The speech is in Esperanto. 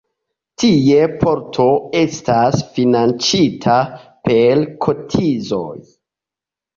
Tie parto estas financita per kotizoj.